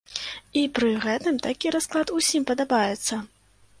І пры гэтым такі расклад усім падабаецца.